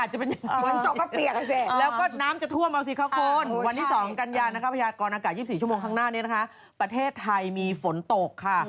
อากาศ๒๔ชั่วโมงข้างหน้านี้นะคะประเทศไทยมีฝนตกค่ะ